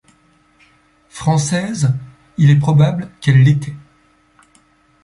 Française, il est probable qu’elle l’était.